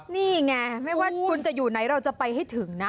นี่ไงไม่ว่าคุณจะอยู่ไหนเราจะไปให้ถึงนะ